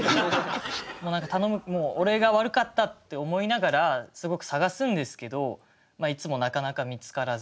もう何か頼む俺が悪かったって思いながらすごく探すんですけどいつもなかなか見つからず。